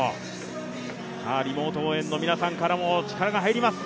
リモート応援の皆さんも力が入ります。